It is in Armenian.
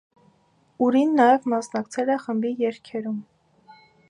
Ուրին նաև մասնակցել է խմբի երգերում։